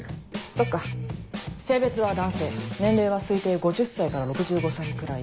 そっか性別は男性年齢は推定５０歳から６５歳くらい。